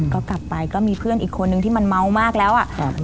ก็กลับไปก็มีเพื่อนอีกคนนึงที่มันเมามากแล้วอะ